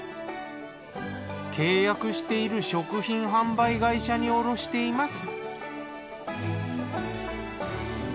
契約している食品販売会社に卸しています。